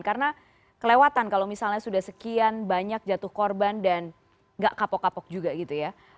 karena kelewatan kalau misalnya sudah sekian banyak jatuh korban dan nggak kapok kapok juga gitu ya